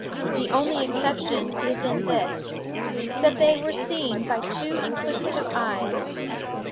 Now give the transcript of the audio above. The only excep tion is in this: that they were seen by too inquisitive eyes.